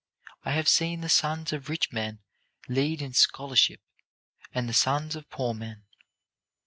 I have seen the sons of rich men lead in scholarship, and the sons of poor men.